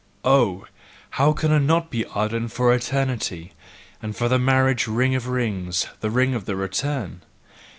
Oh, how could I not be ardent for Eternity and for the marriage ring of rings the ring of the return?